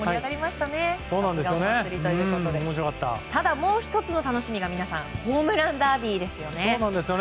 ただ、もう１つの楽しみがホームランダービーですよね。